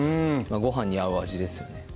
ごはんに合う味ですよね